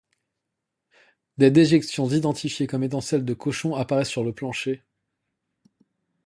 Des déjections identifiées comme étant celles de cochons apparaissent sur le plancher.